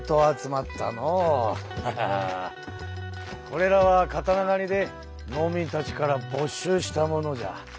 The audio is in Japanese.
これらは刀狩で農民たちからぼっしゅうしたものじゃ。